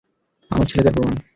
আমার ছেলে তার প্রমাণ।